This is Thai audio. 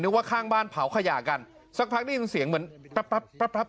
ว่าข้างบ้านเผาขยะกันสักพักได้ยินเสียงเหมือนแป๊บปั๊บปั๊บ